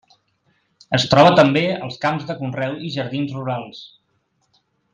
Es troba també als camps de conreu i jardins rurals.